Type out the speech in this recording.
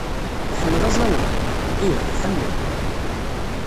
Iḥemmel aẓawan? Ih, iḥemmel.